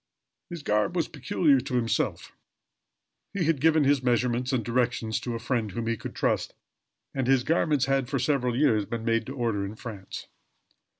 His garb was peculiar to himself. He had given his measurements and directions to a friend whom he could trust, and his garments had, for several years, been made to order in France.